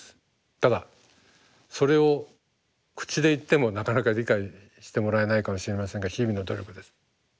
ただそれを口で言ってもなかなか理解してもらえないかもしれませんが日々の努力です。